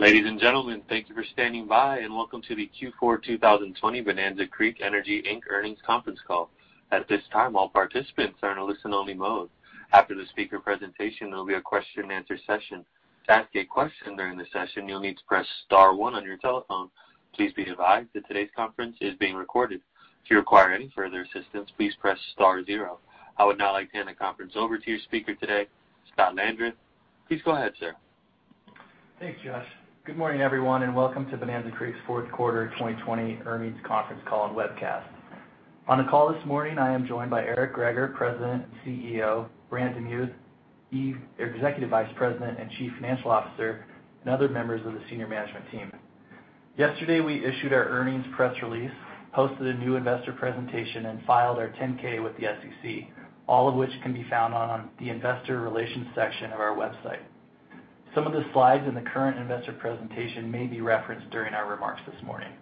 Ladies and gentlemen, thank you for standing by, and welcome to the Q4 2020 Bonanza Creek Energy, Inc. Earnings Conference Call. At this time, all participants are in a listen-only mode. After the speaker presentation, there will be a question-and-answer session. To ask a question during the session, you'll need to press star one on your telephone. Please be advised that today's conference is being recorded. If you require any further assistance, please press star zero. I would now like to hand the conference over to your speaker today, Scott Landreth. Please go ahead, sir. Thanks, Josh. Good morning, everyone, welcome to Bonanza Creek's fourth quarter 2020 earnings conference call and webcast. On the call this morning, I am joined by Eric Greager, President and CEO, Brant DeMuth, Executive Vice President and Chief Financial Officer, other members of the senior management team. Yesterday, we issued our earnings press release, posted a new investor presentation, filed our 10-K with the SEC, all of which can be found on the Investor Relations section of our website. Some of the slides in the current investor presentation may be referenced during our remarks this morning.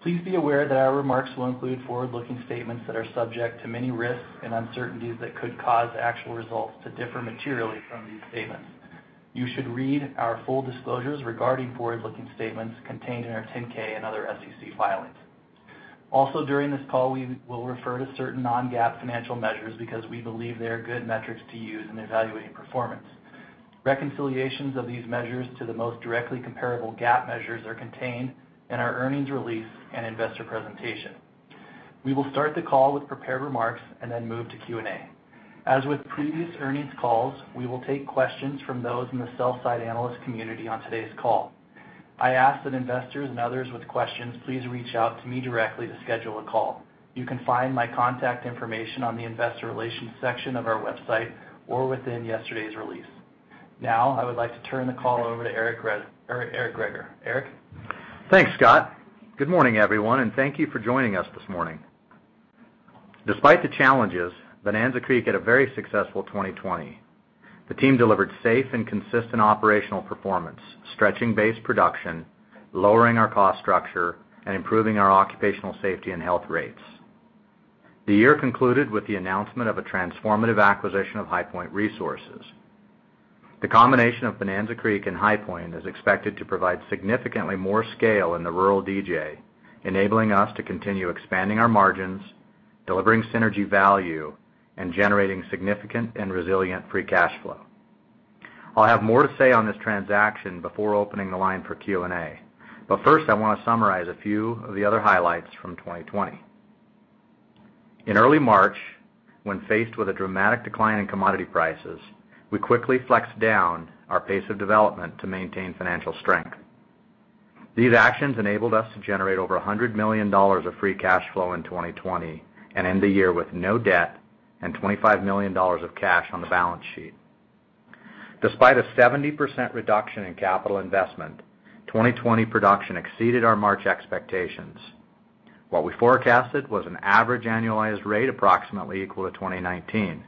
Please be aware that our remarks will include forward-looking statements that are subject to many risks and uncertainties that could cause actual results to differ materially from these statements. You should read our full disclosures regarding forward-looking statements contained in our 10-K and other SEC filings. Also, during this call, we will refer to certain non-GAAP financial measures because we believe they are good metrics to use in evaluating performance. Reconciliations of these measures to the most directly comparable GAAP measures are contained in our earnings release and investor presentation. We will start the call with prepared remarks and then move to Q&A. As with previous earnings calls, we will take questions from those in the sell-side analyst community on today's call. I ask that investors and others with questions please reach out to me directly to schedule a call. You can find my contact information on the Investor Relations section of our website or within yesterday's release. Now, I would like to turn the call over to Eric Greager. Eric? Thanks, Scott. Good morning, everyone, and thank you for joining us this morning. Despite the challenges, Bonanza Creek had a very successful 2020. The team delivered safe and consistent operational performance, stretching base production, lowering our cost structure, and improving our occupational safety and health rates. The year concluded with the announcement of a transformative acquisition of HighPoint Resources. The combination of Bonanza Creek and HighPoint is expected to provide significantly more scale in the rural DJ, enabling us to continue expanding our margins, delivering synergy value, and generating significant and resilient free cash flow. I'll have more to say on this transaction before opening the line for Q&A. First, I want to summarize a few of the other highlights from 2020. In early March, when faced with a dramatic decline in commodity prices, we quickly flexed down our pace of development to maintain financial strength. These actions enabled us to generate over $100 million of free cash flow in 2020 and end the year with no debt and $25 million of cash on the balance sheet. Despite a 70% reduction in capital investment, 2020 production exceeded our March expectations. What we forecasted was an average annualized rate approximately equal to 2019.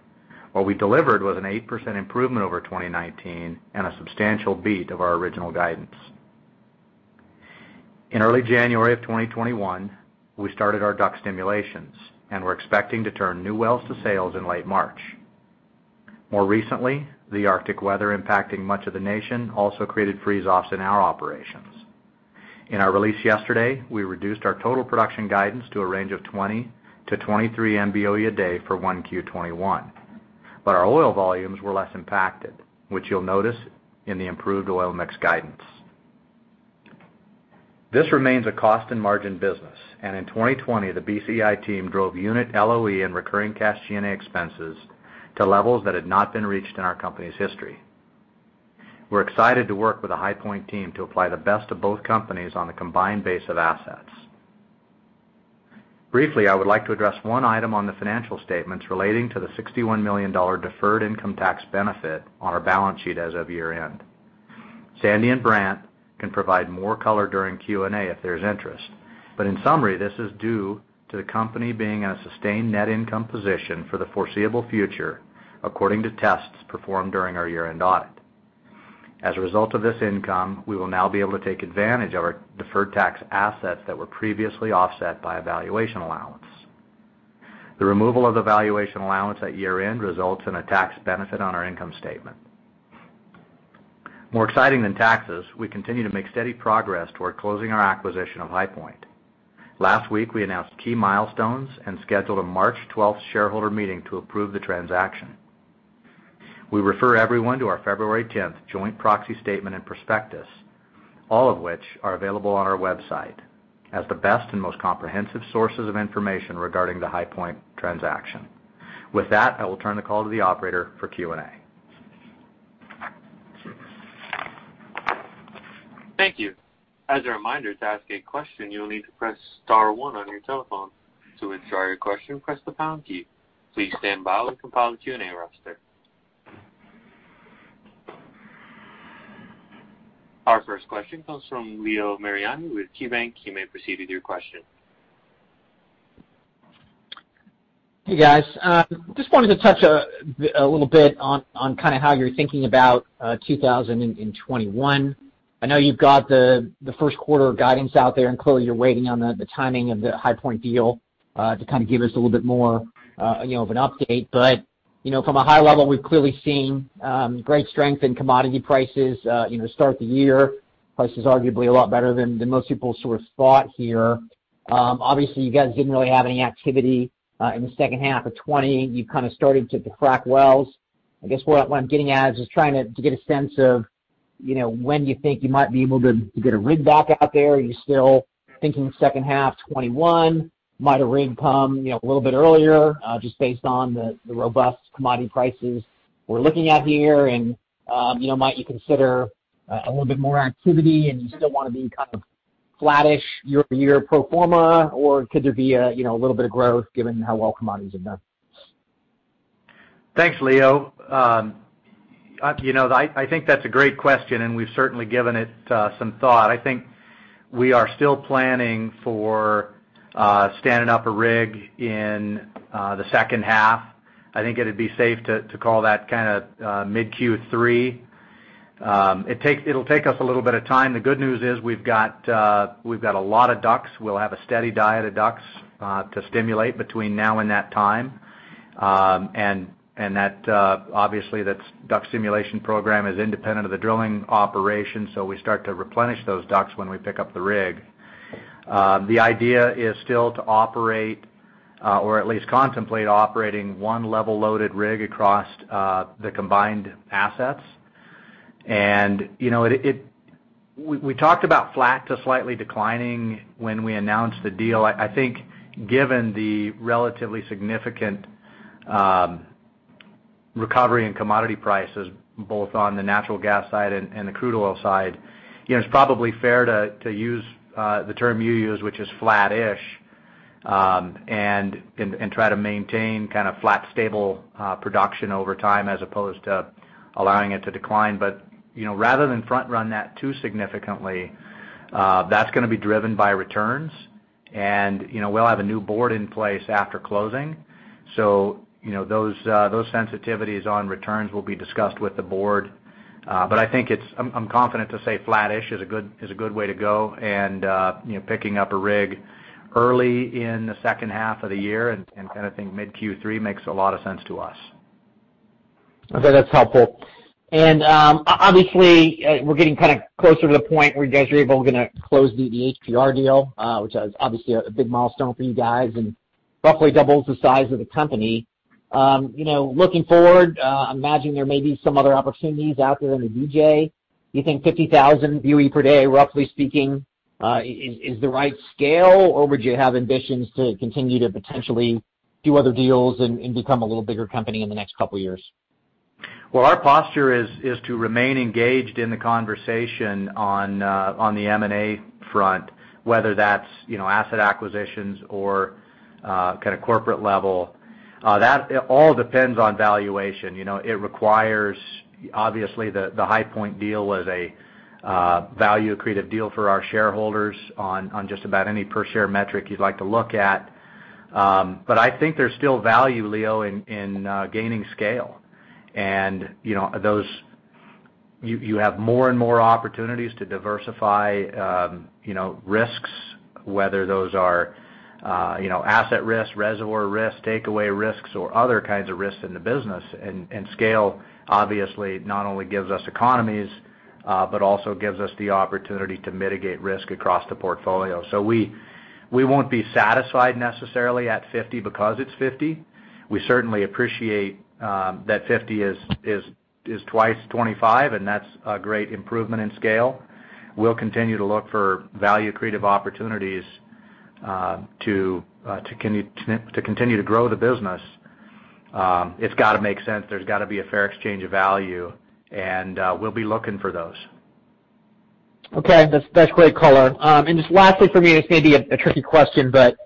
What we delivered was an 8% improvement over 2019 and a substantial beat of our original guidance. In early January of 2021, we started our DUC stimulations and we're expecting to turn new wells to sales in late March. More recently, the Arctic weather impacting much of the nation also created freeze-offs in our operations. In our release yesterday, we reduced our total production guidance to a range of 20-23 MBoe/d for 1Q 2021. Our oil volumes were less impacted, which you'll notice in the improved oil mix guidance. This remains a cost and margin business, and in 2020, the BCEI team drove unit LOE and recurring cash G&A expenses to levels that had not been reached in our company's history. We're excited to work with the HighPoint team to apply the best of both companies on a combined base of assets. Briefly, I would like to address one item on the financial statements relating to the $61 million deferred income tax benefit on our balance sheet as of year-end. Sandi and Brant can provide more color during Q&A if there's interest. In summary, this is due to the company being in a sustained net income position for the foreseeable future, according to tests performed during our year-end audit. As a result of this income, we will now be able to take advantage of our deferred tax assets that were previously offset by a valuation allowance. The removal of the valuation allowance at year-end results in a tax benefit on our income statement. More exciting than taxes, we continue to make steady progress toward closing our acquisition of HighPoint. Last week, we announced key milestones and scheduled a March 12th shareholder meeting to approve the transaction. We refer everyone to our February 10th joint proxy statement and prospectus, all of which are available on our website, as the best and most comprehensive sources of information regarding the HighPoint transaction. With that, I will turn the call to the operator for Q&A. Thank you. As a reminder, to ask a question, you will need to press star one on your telephone. To withdraw your question, press the pound key. Please stand by while we compile a Q&A roster. Our first question comes from Leo Mariani with KeyBanc. You may proceed with your question. Hey, guys. Just wanted to touch a little bit on how you're thinking about 2021. I know you've got the first quarter guidance out there. Clearly you're waiting on the timing of the HighPoint deal to give us a little bit more of an update. From a high level, we've clearly seen great strength in commodity prices. Start the year, prices arguably a lot better than most people sort of thought here. Obviously, you guys didn't really have any activity in the second half of 2020. You've kind of started to frac wells. I guess what I'm getting at is just trying to get a sense of when you think you might be able to get a rig back out there. Are you still thinking second half 2021? Might a rig come a little bit earlier just based on the robust commodity prices we're looking at here? Might you consider a little bit more activity? Do you still want to be kind of flattish year-over-year pro forma, or could there be a little bit of growth given how well commodities have done? Thanks, Leo. I think that's a great question, and we've certainly given it some thought. I think we are still planning for standing up a rig in the second half. I think it'd be safe to call that mid Q3. It'll take us a little bit of time. The good news is we've got a lot of DUCs. We'll have a steady diet of DUCs to stimulate between now and that time. Obviously, that DUC stimulation program is independent of the drilling operation, so we start to replenish those DUCs when we pick up the rig. The idea is still to operate or at least contemplate operating one level-loaded rig across the combined assets. We talked about flat to slightly declining when we announced the deal. I think given the relatively significant recovery in commodity prices, both on the natural gas side and the crude oil side, it's probably fair to use the term you used, which is flattish, and try to maintain kind of flat, stable production over time as opposed to allowing it to decline. Rather than front-run that too significantly, that's going to be driven by returns, and we'll have a new board in place after closing. Those sensitivities on returns will be discussed with the Board. I'm confident to say flattish is a good way to go, and picking up a rig early in the second half of the year and kind of think mid Q3 makes a lot of sense to us. Okay. That's helpful. Obviously, we're getting kind of closer to the point where you guys are able going to close the HPR deal, which is obviously a big milestone for you guys and roughly doubles the size of the company. Looking forward, I imagine there may be some other opportunities out there in the DJ. Do you think 50,000 Boe/d, roughly speaking, is the right scale, or would you have ambitions to continue to potentially do other deals and become a little bigger company in the next couple of years? Well, our posture is to remain engaged in the conversation on the M&A front, whether that's asset acquisitions or kind of corporate level. That all depends on valuation. Obviously, the HighPoint deal was a value-accretive deal for our shareholders on just about any per-share metric you'd like to look at. I think there's still value, Leo, in gaining scale. You have more and more opportunities to diversify risks, whether those are asset risks, reservoir risks, takeaway risks, or other kinds of risks in the business. Scale, obviously, not only gives us economies, but also gives us the opportunity to mitigate risk across the portfolio. We won't be satisfied necessarily at 50,000 Boe/d because it's 50,000 Boe/d. We certainly appreciate that 50,000 Boe/d is twice 25,000 Boe/d, and that's a great improvement in scale. We'll continue to look for value-accretive opportunities to continue to grow the business. It's got to make sense. There's got to be a fair exchange of value, and we'll be looking for those. Okay. That's great color. Just lastly from me, this may be a tricky question, but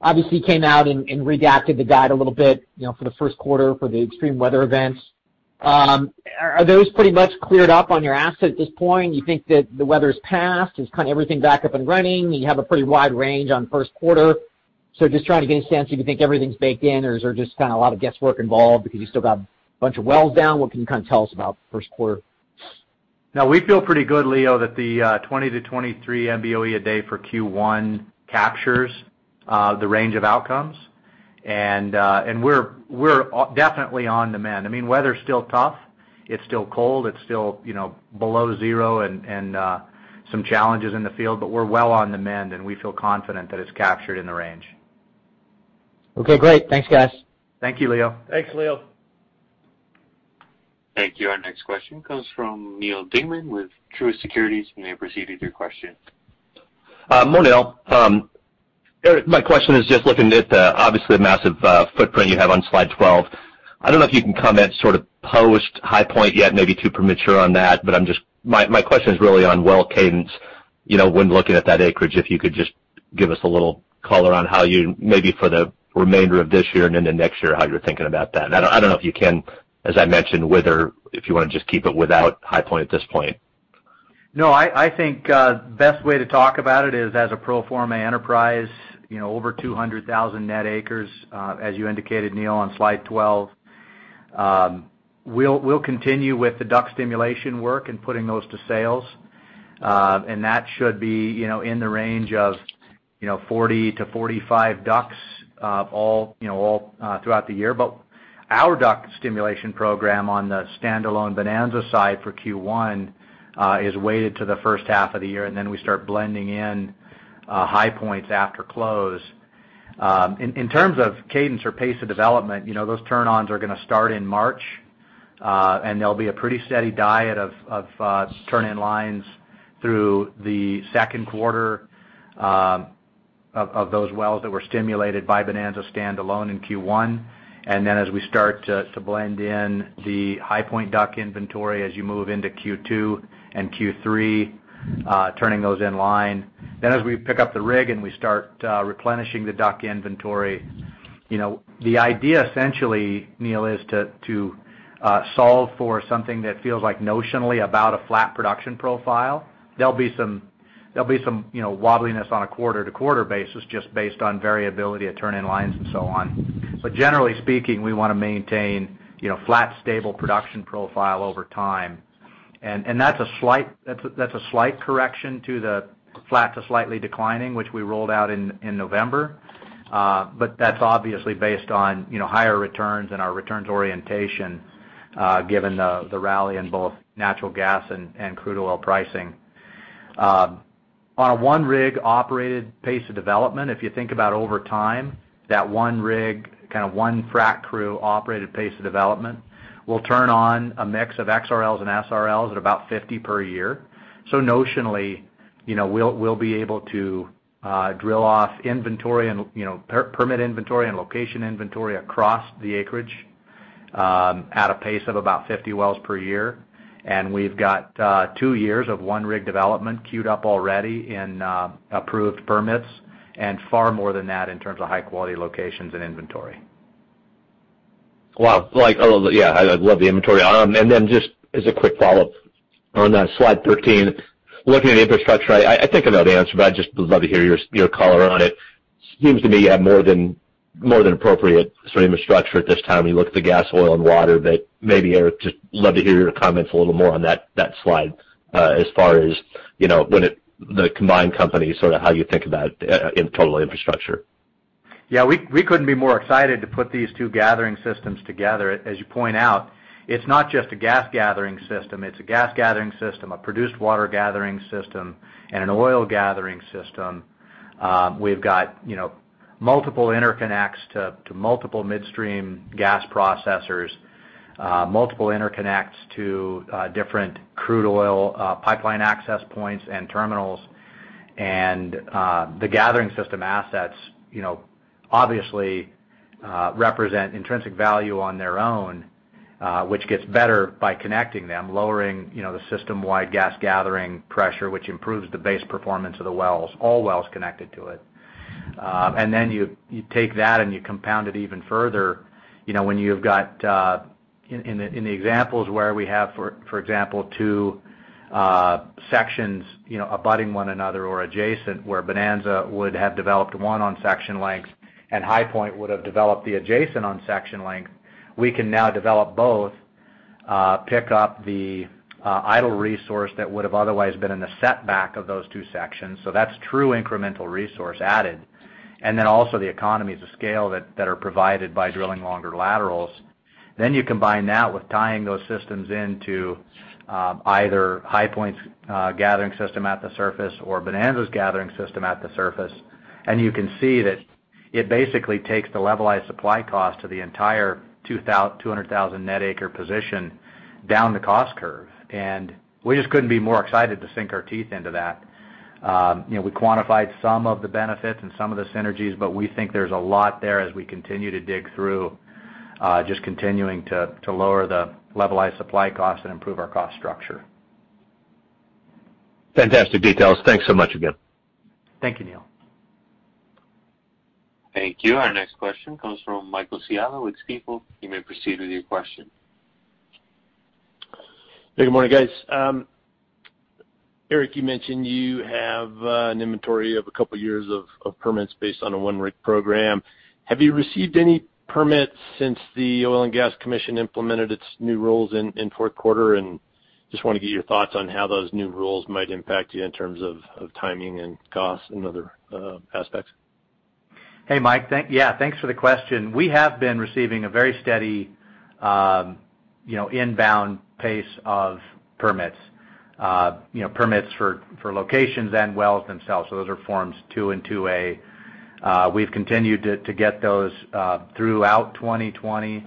obviously you came out and redacted the guide a little bit for the first quarter for the extreme weather events. Are those pretty much cleared up on your asset at this point? Do you think that the weather's passed, is kind of everything back up and running? You have a pretty wide range on first quarter. Just trying to get a sense if you think everything's baked in, or is there just kind of a lot of guesswork involved because you still got a bunch of wells down? What can you kind of tell us about first quarter? No, we feel pretty good, Leo, that the 20-23 MBoe/d for Q1 captures the range of outcomes, and we're definitely on the mend. I mean, weather's still tough. It's still cold. It's still below zero and some challenges in the field, but we're well on the mend, and we feel confident that it's captured in the range. Okay, great. Thanks, guys. Thank you, Leo. Thanks, Leo. Thank you. Our next question comes from Neal Dingmann with Truist Securities. You may proceed with your question. Morning, all. My question is just looking at the obviously massive footprint you have on slide 12. I don't know if you can comment sort of post HighPoint yet, maybe too premature on that. My question is really on well cadence. When looking at that acreage, if you could just give us a little color on how you, maybe for the remainder of this year and into next year, how you're thinking about that. I don't know if you can, as I mentioned, whether if you want to just keep it without HighPoint at this point. I think best way to talk about it is as a pro forma enterprise, over 200,000 net acres, as you indicated, Neal, on slide 12. We'll continue with the DUC stimulation work and putting those to sales. That should be in the range of 40-45 DUCs all throughout the year. Our DUC stimulation program on the standalone Bonanza side for Q1 is weighted to the first half of the year, and then we start blending in HighPoint after close. In terms of cadence or pace of development, those turn-ons are going to start in March, and there'll be a pretty steady diet of turn-in lines through the second quarter of those wells that were stimulated by Bonanza standalone in Q1. As we start to blend in the HighPoint DUC inventory as you move into Q2 and Q3, turning those in line. As we pick up the rig and we start replenishing the DUC inventory, the idea essentially, Neal, is to solve for something that feels like notionally about a flat production profile. There'll be some wobbliness on a quarter-to-quarter basis just based on variability of turn-in lines and so on. Generally speaking, we want to maintain flat, stable production profile over time. That's a slight correction to the flat to slightly declining, which we rolled out in November. That's obviously based on higher returns and our returns orientation, given the rally in both natural gas and crude oil pricing. On a one-rig operated pace of development, if you think about over time, that one rig, kind of one frack crew operated pace of development, will turn on a mix of XRLs and SRLs at about 50 per year. Notionally, we'll be able to drill off permit inventory and location inventory across the acreage at a pace of about 50 wells per year. We've got two years of one rig development queued up already in approved permits, and far more than that in terms of high-quality locations and inventory. Wow. I love the inventory. Then just as a quick follow-up on slide 13, looking at infrastructure, I think I know the answer, but I'd just love to hear your color on it. Seems to me you have more than appropriate infrastructure at this time. You look at the gas, oil, and water, maybe, Eric, just love to hear your comments a little more on that slide as far as the combined company, sort of how you think about total infrastructure. Yeah, we couldn't be more excited to put these two gathering systems together. As you point out, it's not just a gas gathering system. It's a gas gathering system, a produced water gathering system, and an oil gathering system. We've got multiple interconnects to multiple midstream gas processors, multiple interconnects to different crude oil pipeline access points and terminals. The gathering system assets obviously represent intrinsic value on their own, which gets better by connecting them, lowering the system-wide gas gathering pressure, which improves the base performance of the wells, all wells connected to it. Then you take that and you compound it even further, when you've got, in the examples where we have, for example, two sections abutting one another or adjacent where Bonanza Creek would have developed one on section length and HighPoint Resources would have developed the adjacent on section length. We can now develop both, pick up the idle resource that would have otherwise been in the setback of those two sections. That's true incremental resource added. Also the economies of scale that are provided by drilling longer laterals. You combine that with tying those systems into either HighPoint Resources' gathering system at the surface or Bonanza Creek's gathering system at the surface. You can see that it basically takes the levelized supply cost to the entire 200,000 net acre position down the cost curve. We just couldn't be more excited to sink our teeth into that. We quantified some of the benefits and some of the synergies, but we think there's a lot there as we continue to dig through, just continuing to lower the levelized supply cost and improve our cost structure. Fantastic details. Thanks so much again. Thank you, Neal. Thank you. Our next question comes from Michael Scialla with Stifel. You may proceed with your question. Good morning, guys. Eric, you mentioned you have an inventory of a couple of years of permits based on a one-rig program. Have you received any permits since the Oil and Gas Commission implemented its new rules in fourth quarter? Just want to get your thoughts on how those new rules might impact you in terms of timing and cost and other aspects. Hey, Mike. Yeah, thanks for the question. We have been receiving a very steady inbound pace of permits. Permits for locations and wells themselves. Those are Form 2 and Form 2A. We've continued to get those throughout 2020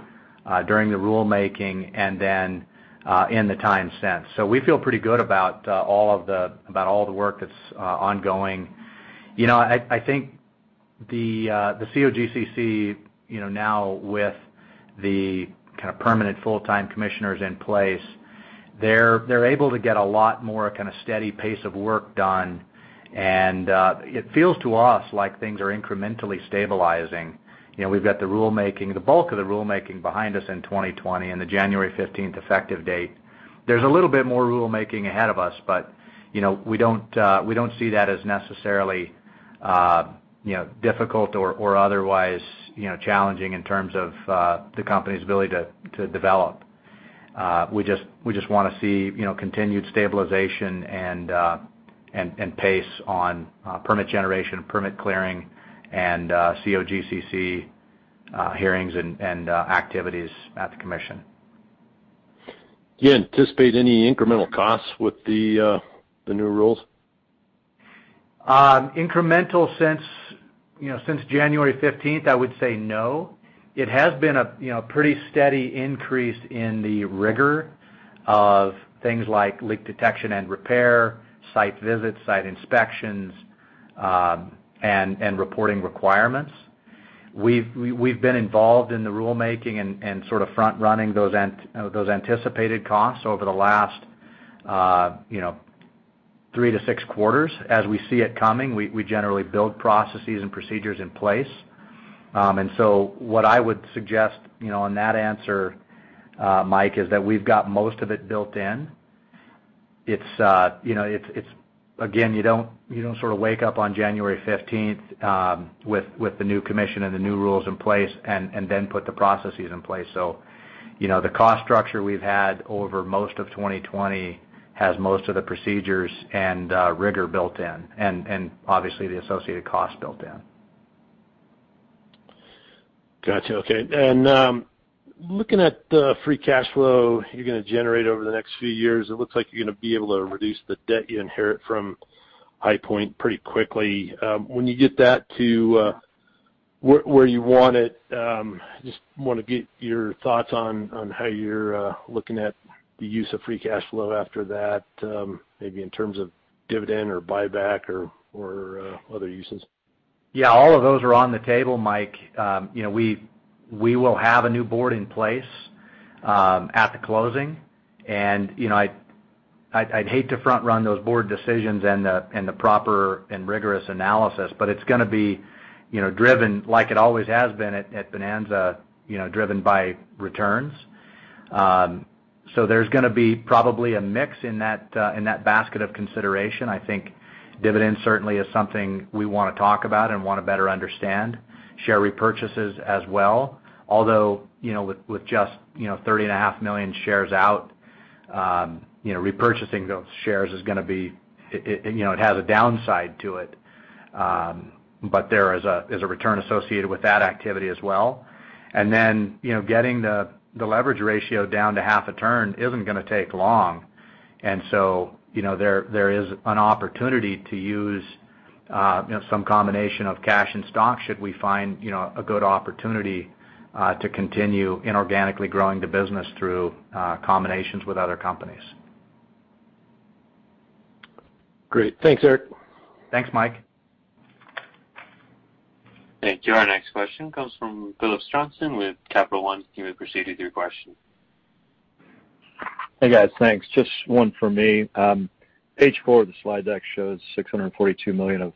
during the rulemaking and then in the time since. We feel pretty good about all the work that's ongoing. I think the COGCC now with the kind of permanent full-time commissioners in place, they're able to get a lot more steady pace of work done. It feels to us like things are incrementally stabilizing. We've got the bulk of the rulemaking behind us in 2020 and the January 15th effective date. There's a little bit more rulemaking ahead of us, but we don't see that as necessarily difficult or otherwise challenging in terms of the company's ability to develop. We just want to see continued stabilization and pace on permit generation, permit clearing, and COGCC hearings and activities at the commission. Do you anticipate any incremental costs with the new rules? Incremental since January 15th, I would say no. It has been a pretty steady increase in the rigor of things like leak detection and repair, site visits, site inspections, and reporting requirements. We've been involved in the rulemaking and sort of front-running those anticipated costs over the last three to six quarters. As we see it coming, we generally build processes and procedures in place. What I would suggest on that answer, Mike, is that we've got most of it built in. Again, you don't sort of wake up on January 15th with the new commission and the new rules in place and then put the processes in place. The cost structure we've had over most of 2020 has most of the procedures and rigor built in, and obviously the associated cost built in. Got you. Okay. Looking at the free cash flow you're going to generate over the next few years, it looks like you're going to be able to reduce the debt you inherit from HighPoint pretty quickly. When you get that to where you want it, I just want to get your thoughts on how you're looking at the use of free cash flow after that, maybe in terms of dividend or buyback or other uses. Yeah, all of those are on the table, Mike. We will have a new Board in place at the closing. I'd hate to front-run those Board decisions and the proper and rigorous analysis, but it's going to be driven, like it always has been at Bonanza, driven by returns. There's going to be probably a mix in that basket of consideration. I think dividend certainly is something we want to talk about and want to better understand. Share repurchases as well. Although, with just 30.5 million shares out, repurchasing those shares is going to be it has a downside to it, but there is a return associated with that activity as well. Then, getting the leverage ratio down to half a turn isn't going to take long. There is an opportunity to use some combination of cash and stock should we find a good opportunity to continue inorganically growing the business through combinations with other companies. Great. Thanks, Eric. Thanks, Mike. Thank you. Our next question comes from Phillips Johnston with Capital One. You may proceed with your question. Hey, guys. Thanks. Just one for me. Page four of the slide deck shows $642 million of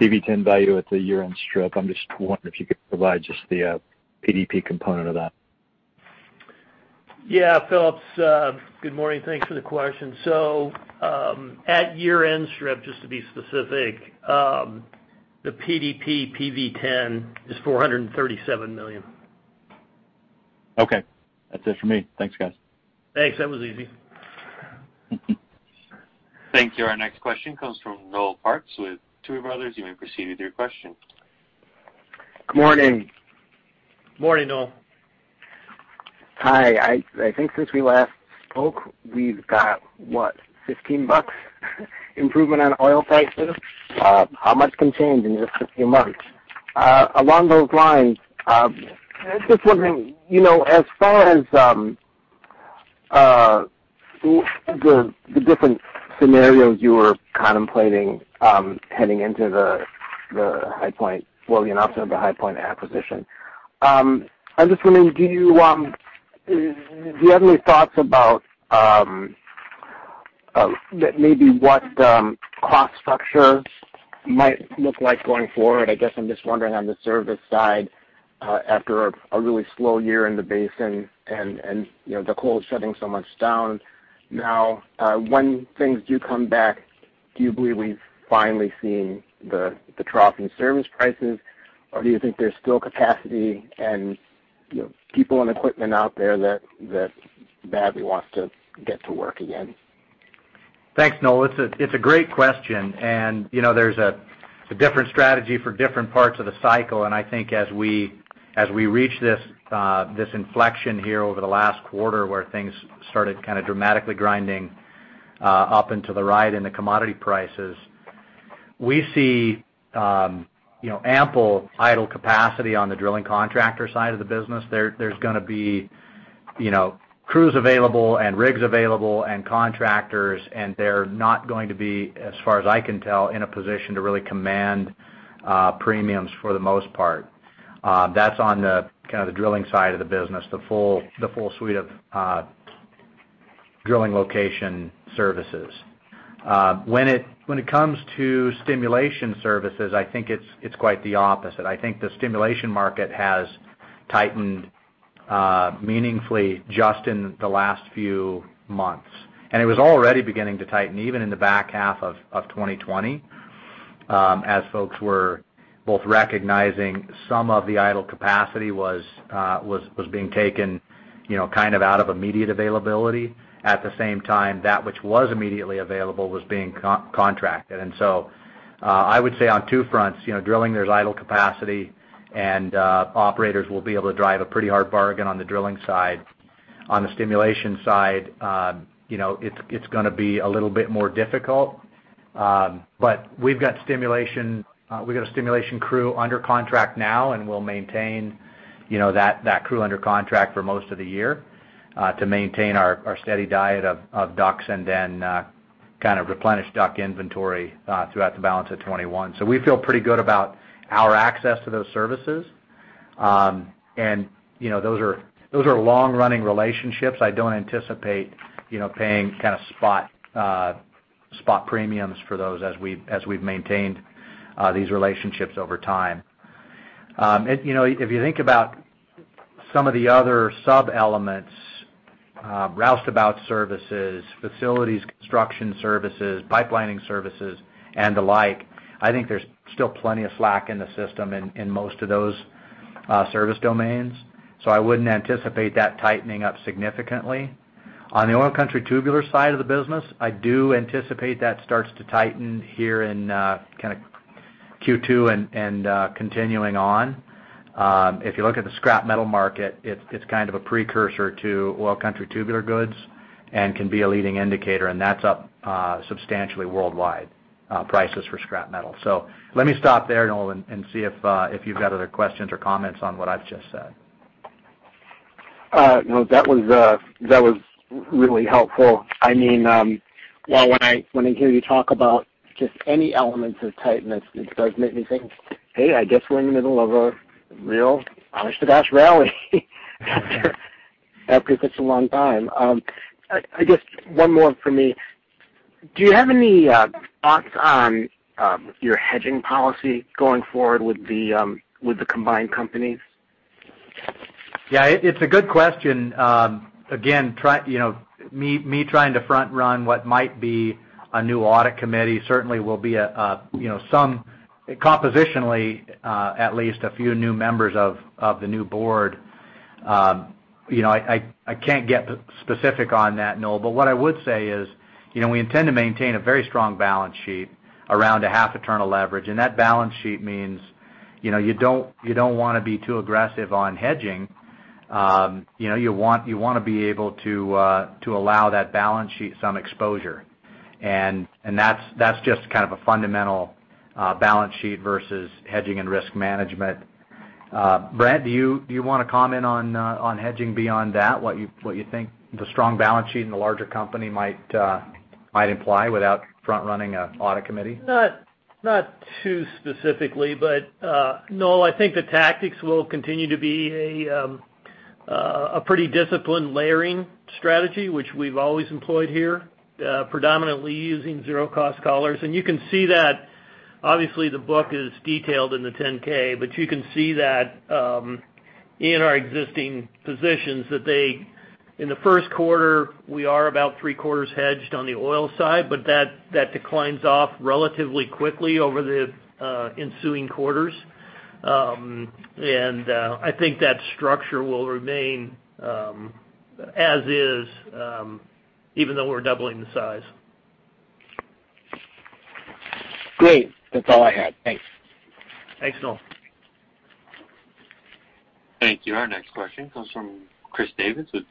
PV-10 value at the year-end strip. I'm just wondering if you could provide just the PDP component of that. Yeah, Phillips. Good morning. Thanks for the question. At year-end strip, just to be specific, the PDP PV-10 is $437 million. Okay. That's it for me. Thanks, guys. Thanks. That was easy. Thank you. Our next question comes from Noel Parks with Tuohy Brothers. You may proceed with your question. Good morning. Morning, Noel. Hi. I think since we last spoke, we've got what, $15 improvement on oil prices? How much can change in just a few months. Along those lines, I was just wondering, as far as the different scenarios you were contemplating heading into the HighPoint, well, the announcement of the HighPoint acquisition. I'm just wondering, do you have any thoughts about maybe what the cost structure might look like going forward? I guess I'm just wondering on the service side, after a really slow year in the basin and the COGCC shutting so much down. Now, when things do come back, do you believe we've finally seen the trough in service prices, or do you think there's still capacity and people and equipment out there that badly wants to get to work again? Thanks, Noel. It's a great question. There's a different strategy for different parts of the cycle. I think as we reach this inflection here over the last quarter where things started kind of dramatically grinding up into the ride in the commodity prices. We see ample idle capacity on the drilling contractor side of the business. There's going to be crews available and rigs available and contractors, and they're not going to be, as far as I can tell, in a position to really command premiums for the most part. That's on the kind of the drilling side of the business, the full suite of drilling location services. When it comes to stimulation services, I think it's quite the opposite. I think the stimulation market has tightened meaningfully, just in the last few months. It was already beginning to tighten, even in the back half of 2020, as folks were both recognizing some of the idle capacity was being taken out of immediate availability. At the same time, that which was immediately available was being contracted. I would say on two fronts, drilling, there's idle capacity, and operators will be able to drive a pretty hard bargain on the drilling side. On the stimulation side, it's going to be a little bit more difficult. We've got a stimulation crew under contract now, and we'll maintain that crew under contract for most of the year, to maintain our steady diet of DUCs and then replenish DUC inventory throughout the balance of 2021. We feel pretty good about our access to those services. Those are long-running relationships. I don't anticipate paying spot premiums for those as we've maintained these relationships over time. If you think about some of the other sub-elements, roustabout services, facilities construction services, pipelining services, and the like, I think there's still plenty of slack in the system in most of those service domains. I wouldn't anticipate that tightening up significantly. On the oil country tubular side of the business, I do anticipate that starts to tighten here in Q2 and continuing on. If you look at the scrap metal market, it's kind of a precursor to oil country tubular goods and can be a leading indicator, and that's up substantially worldwide, prices for scrap metal. Let me stop there, Noel, and see if you've got other questions or comments on what I've just said. No, that was really helpful. When I hear you talk about just any elements of tightness, it does make me think, hey, I guess we're in the middle of a real honest-to-gosh rally after such a long time. I guess one more from me. Do you have any thoughts on your hedging policy going forward with the combined companies? Yeah, it's a good question. Again, me trying to front-run what might be a new audit committee certainly will be compositionally, at least, a few new members of the new Board. I can't get specific on that, Noel, but what I would say is, we intend to maintain a very strong balance sheet around a half a turn of leverage. That balance sheet means you don't want to be too aggressive on hedging. You want to be able to allow that balance sheet some exposure. That's just a fundamental balance sheet versus hedging and risk management. Brant, do you want to comment on hedging beyond that? What you think the strong balance sheet and the larger company might imply without front-running an audit committee? Not too, specifically. Noel, I think the tactics will continue to be a pretty disciplined layering strategy, which we've always employed here, predominantly using zero cost collars. Obviously, the book is detailed in the 10-K, you can see that in our existing positions that in the first quarter, we are about three-quarters hedged on the oil side, that declines off relatively quickly over the ensuing quarters. I think that structure will remain as is, even though we're doubling the size. Great. That's all I had. Thanks. Thanks, Noel. Thank you. Our next question comes from Chris Davis with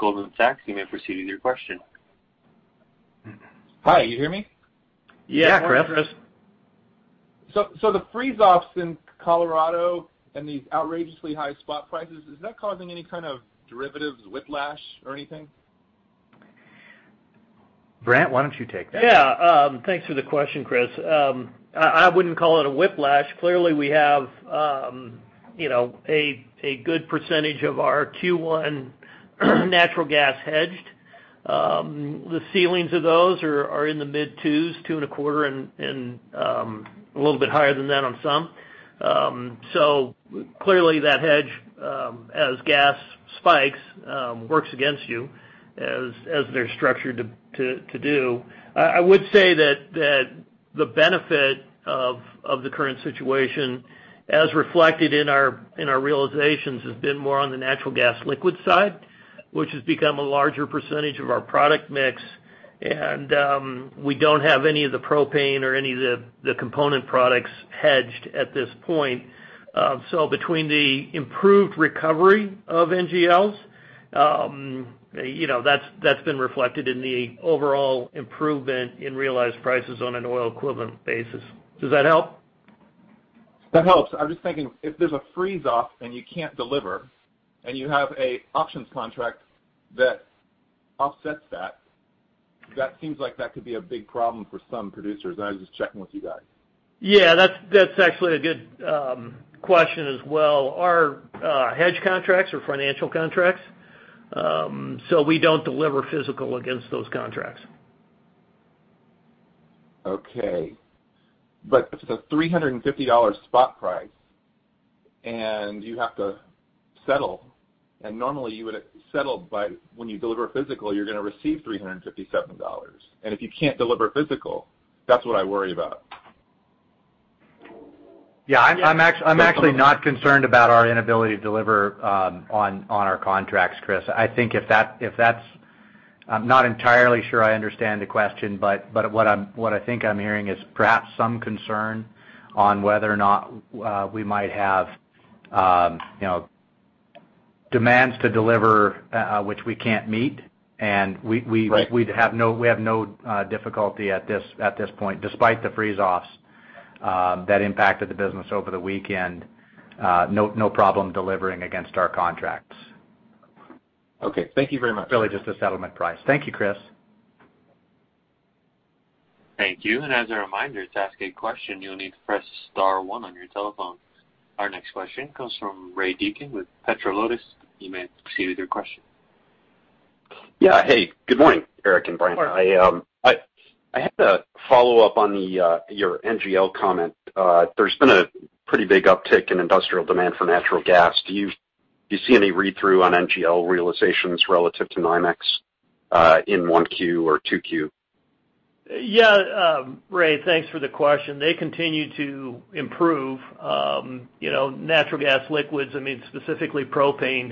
Goldman Sachs. You may proceed with your question. Hi, you hear me? Yeah, Chris. Yeah. Chris. The freeze-offs in Colorado and these outrageously high spot prices, is that causing any kind of derivatives whiplash or anything? Brant, why don't you take that? Yeah. Thanks for the question, Chris. I wouldn't call it a whiplash. Clearly, we have a good percentage of our Q1 natural gas hedged. The ceilings of those are in the mid twos, two and a quarter, and a little bit higher than that on some. Clearly that hedge, as gas spikes, works against you as they're structured to do. I would say that the benefit of the current situation, as reflected in our realizations, has been more on the natural gas liquid side, which has become a larger percentage of our product mix. We don't have any of the propane or any of the component products hedged at this point. Between the improved recovery of NGLs, that's been reflected in the overall improvement in realized prices on an oil equivalent basis. Does that help? That helps. I was just thinking, if there's a freeze-off and you can't deliver, and you have an options contract that offsets that seems like that could be a big problem for some producers, and I was just checking with you guys. Yeah, that's actually a good question as well. Our hedge contracts are financial contracts, so we don't deliver physical against those contracts. Okay. If it's a $350 spot price and you have to settle, and normally you would settle by when you deliver physical, you're going to receive $357. If you can't deliver physical, that's what I worry about. Yeah. I'm actually not concerned about our inability to deliver on our contracts, Chris. I'm not entirely sure I understand the question, but what I think I'm hearing is perhaps some concern on whether or not we might have demands to deliver which we can't meet. Right. We have no difficulty at this point, despite the freeze-offs that impacted the business over the weekend. No problem delivering against our contracts. Okay. Thank you very much. Really just the settlement price. Thank you, Chris. Thank you. As a reminder, to ask a question, you'll need to press star one on your telephone. Our next question comes from Ray Deacon with Petro Lotus. You may proceed with your question. Yeah. Hey, good morning, Eric and Brant. Good morning. I had a follow-up on your NGL comment. There's been a pretty big uptick in industrial demand for natural gas. Do you see any read-through on NGL realizations relative to NYMEX in 1Q or 2Q? Yeah. Ray, thanks for the question. They continue to improve. Natural gas liquids, specifically propane,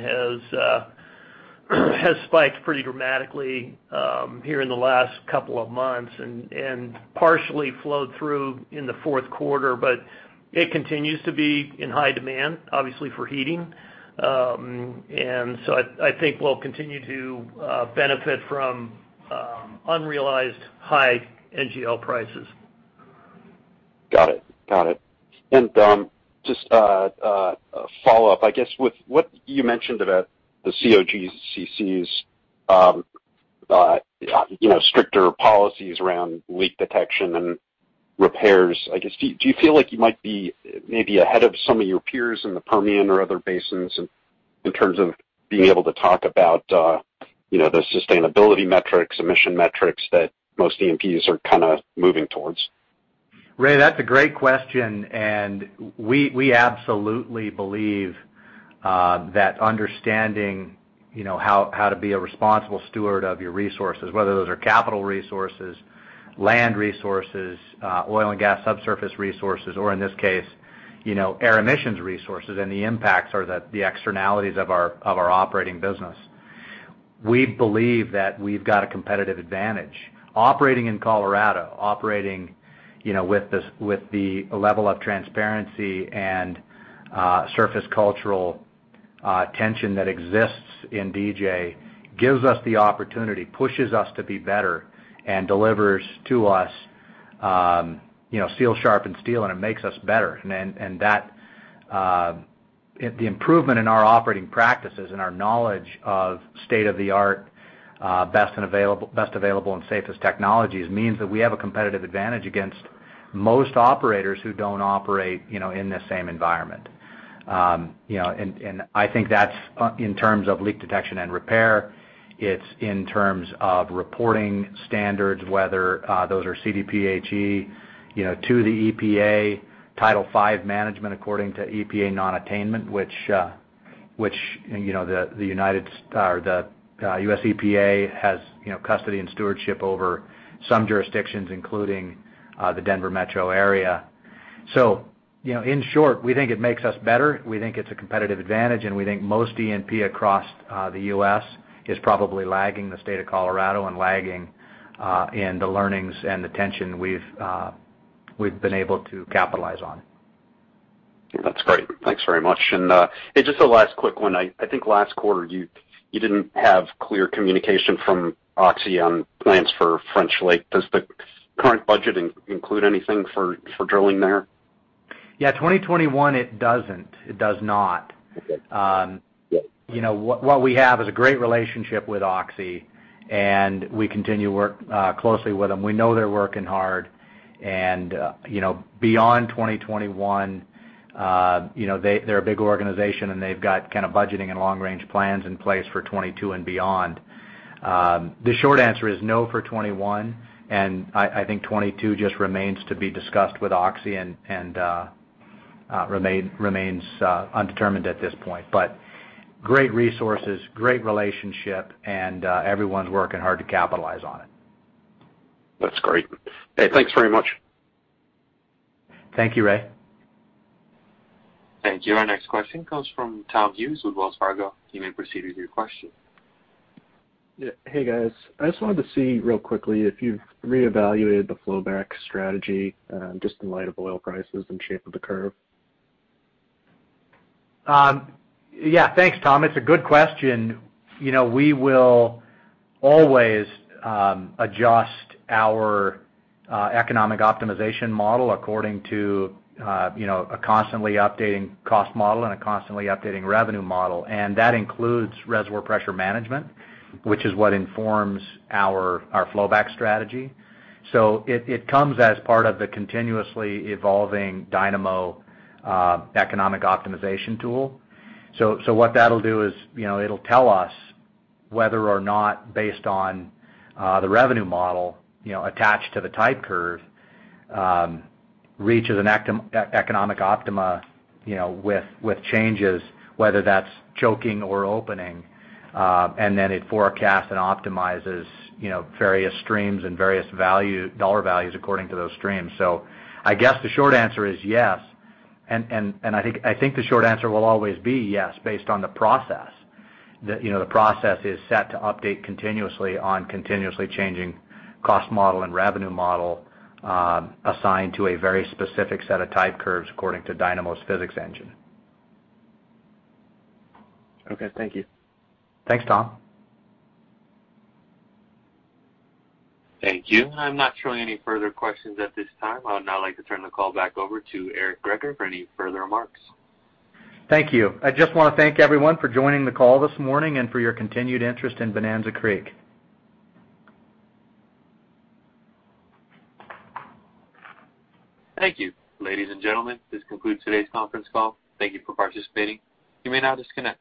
has spiked pretty dramatically here in the last couple of months and partially flowed through in the fourth quarter. It continues to be in high demand, obviously, for heating. I think we'll continue to benefit from unrealized high NGL prices. Got it. Just a follow-up, I guess, with what you mentioned about the COGCC's stricter policies around leak detection and repairs. I guess, do you feel like you might be maybe ahead of some of your peers in the Permian or other basins in terms of being able to talk about the sustainability metrics, emission metrics that most E&Ps are kind of moving towards? Ray, that's a great question, and we absolutely believe that understanding how to be a responsible steward of your resources, whether those are capital resources, land resources, oil and gas subsurface resources, or in this case, air emissions resources and the impacts or the externalities of our operating business. We believe that we've got a competitive advantage. Operating in Colorado, operating with the level of transparency and surface cultural tension that exists in DJ gives us the opportunity, pushes us to be better and delivers to us steel sharpens steel, and it makes us better. The improvement in our operating practices and our knowledge of state-of-the-art best available and safest technologies means that we have a competitive advantage against most operators who don't operate in the same environment. I think that's in terms of leak detection and repair. It's in terms of reporting standards, whether those are CDPHE to the EPA, Title V management according to EPA non-attainment, which the U.S. EPA has custody and stewardship over some jurisdictions, including the Denver metro area. In short, we think it makes us better. We think it's a competitive advantage, and we think most E&P across the U.S. is probably lagging the state of Colorado and lagging in the learnings and the tension we've been able to capitalize on. That's great. Thanks very much. Just a last quick one. I think last quarter, you didn't have clear communication from OXY on plans for French Lake. Does the current budget include anything for drilling there? Yeah, 2021, it doesn't. It does not. Okay. Yeah. What we have is a great relationship with OXY, and we continue to work closely with them. We know they're working hard. Beyond 2021, they're a big organization, and they've got kind of budgeting and long-range plans in place for 2022 and beyond. The short answer is no for 2021, and I think 2022 just remains to be discussed with OXY and remains undetermined at this point. Great resources, great relationship, and everyone's working hard to capitalize on it. That's great. Hey, thanks very much. Thank you, Ray. Thank you. Our next question comes from Thomas Hughes with Wells Fargo. You may proceed with your question. Hey, guys. I just wanted to see real quickly if you've reevaluated the flowback strategy, just in light of oil prices and shape of the curve? Yeah. Thanks, Tom. It's a good question. We will always adjust our economic optimization model according to a constantly updating cost model and a constantly updating revenue model. That includes reservoir pressure management, which is what informs our flowback strategy. It comes as part of the continuously evolving Dynamo, economic optimization tool. What that'll do is it'll tell us whether or not based on the revenue model attached to the type curve, reaches an economic optima with changes, whether that's choking or opening, and then it forecasts and optimizes various streams and various dollar values according to those streams. I guess the short answer is yes. I think the short answer will always be yes, based on the process. The process is set to update continuously on continuously changing cost model and revenue model assigned to a very specific set of type curves according to Dynamo's physics engine. Okay. Thank you. Thanks, Tom. Thank you. I'm not showing any further questions at this time. I would now like to turn the call back over to Eric Greager for any further remarks. Thank you. I just want to thank everyone for joining the call this morning and for your continued interest in Bonanza Creek. Thank you. Ladies and gentlemen, this concludes today's conference call. Thank you for participating. You may now disconnect.